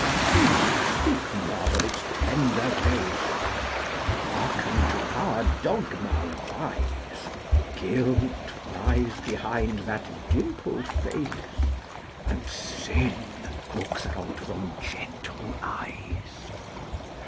Nay, speak not of its tender grace, But hearken to our dogma wise: Guilt lies behind that dimpled face, And sin looks out from gentle eyes.